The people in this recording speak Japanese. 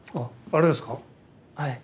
はい。